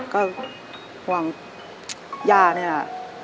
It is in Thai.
ก็หวังยานี้น่ะ